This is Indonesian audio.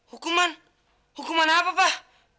hukuman hukuman apa pak